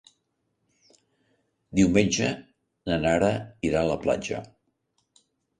Diumenge na Nara irà a la platja.